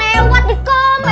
eh tapi dengar ya